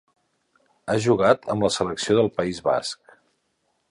Ha jugat amb la Selecció del País Basc.